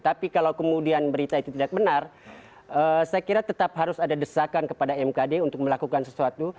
tapi kalau kemudian berita itu tidak benar saya kira tetap harus ada desakan kepada mkd untuk melakukan sesuatu